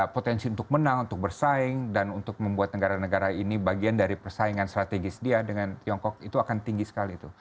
potensi untuk menang untuk bersaing dan untuk membuat negara negara ini bagian dari persaingan strategis dia dengan tiongkok itu akan tinggi sekali itu